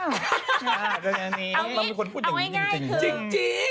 วิวเป็นคนพูดอย่างง่าย